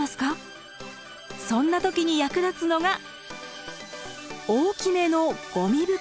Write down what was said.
そんな時に役立つのが大きめのゴミ袋。